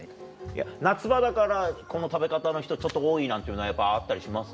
夏場だからこの食べ方の人多いなんていうのあったりします？